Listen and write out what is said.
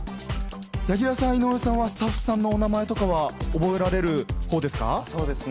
柳楽さん、井上さんはスタッフさんのお名前とかは覚えられるほうですか？